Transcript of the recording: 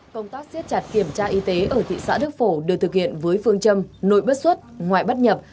công tác xét chặt kiểm tra y tế ở thị xã đức phổ được thực hiện với phương châm nội bất xuất ngoại bất nhập